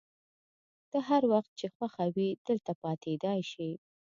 ته هر وخت چي خوښه وي دلته پاتېدای شې.